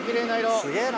すげぇな。